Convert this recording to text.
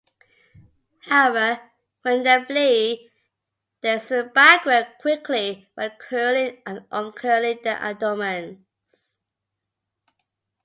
However, when they flee, they swim backward quickly by curling and uncurling their abdomens.